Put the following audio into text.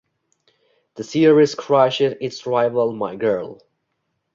The series crushed its rival "My Girl".